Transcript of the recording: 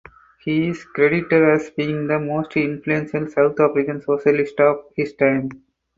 He is credited as being the most influential South African socialist of his time.